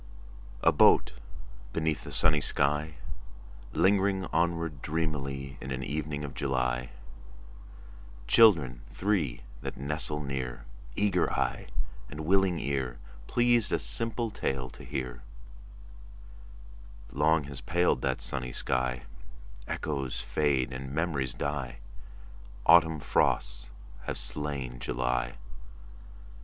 A boat beneath a sunny sky, Lingering onward dreamily In an evening of July— Children three that nestle near, Eager eye and willing ear, Pleased a simple tale to hear— Long has paled that sunny sky: Echoes fade and memories die. Autumn frosts have slain July.